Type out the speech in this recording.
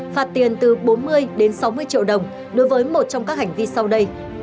phạt tiền từ bốn mươi đến sáu mươi triệu đồng đối với một trong các hành vi sau đây